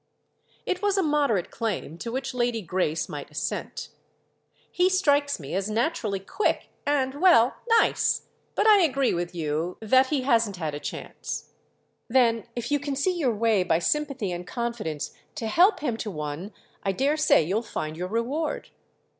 It was a moderate claim, to which Lady Grace might assent. "He strikes me as naturally quick and—well, nice. But I agree with you than he hasn't had a chance." "Then if you can see your way by sympathy and confidence to help him to one I dare say you'll find your reward."